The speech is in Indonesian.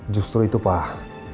justru itu pak